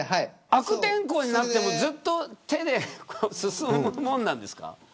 悪天候になっても手で進むもんなんですか。